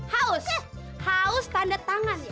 haus haus tanda tangan